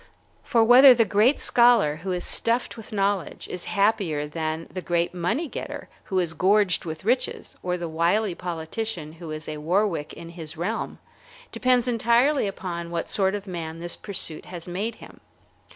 For whether the great scholar who is stuffed with knowledge is happier than the great money getter who is gorged with riches, or the wily politician who is a Warwick in his realm, depends entirely upon what sort of a man this pursuit has made him.